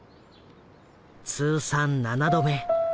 通算７度目。